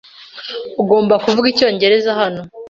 Ugomba kuvuga icyongereza hano.